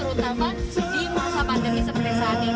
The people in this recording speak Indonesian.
terutama di masa pandemi seperti saat ini